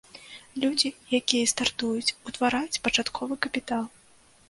Людзі, якія стартуюць, утвараюць пачатковы капітал.